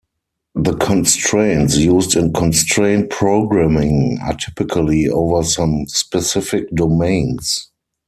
The constraints used in constraint programming are typically over some specific domains.